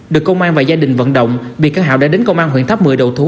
được công an và gia đình vận động bị cân hảo đã đến công an huyện tháp mười đầu thú